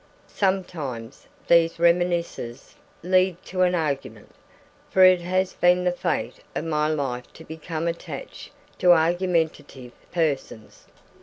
Sometimes these reminiscences lead to an argument; for it has been the fate of my life to become attached to argumentative persons.